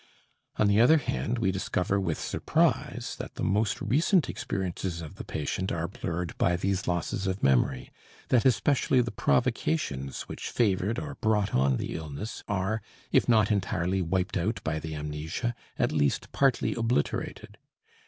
On the other hand, we discover with surprise that the most recent experiences of the patient are blurred by these losses of memory that especially the provocations which favored or brought on the illness are, if not entirely wiped out by the amnesia, at least partially obliterated.